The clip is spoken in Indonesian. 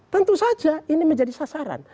tentu saja ini menjadi sasaran